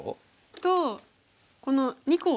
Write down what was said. とこの２個を。